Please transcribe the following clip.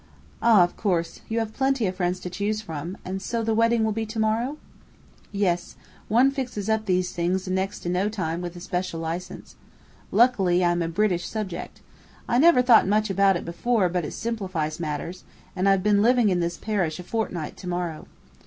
"Ah, of course, you have plenty of friends to choose from; and so the wedding will be to morrow?" "Yes. One fixes up these things in next to no time with a special license. Luckily I'm a British subject. I never thought much about it before, but it simplifies matters; and I'll have been living in this parish a fortnight to morrow.